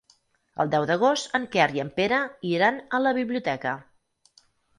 El deu d'agost en Quer i en Pere iran a la biblioteca.